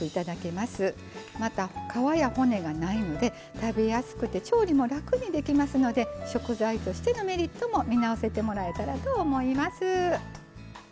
また皮や骨がないので食べやすくて調理も楽にできますので食材としてのメリットも見直せてもらえたらと思います。